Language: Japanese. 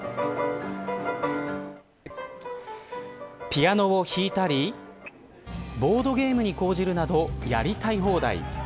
ピアノを弾いたりボードゲームに興じるなどやりたい放題。